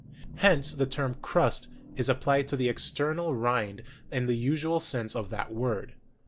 Hence the term "crust" is ap plied to the external rind in the usual sense of that word.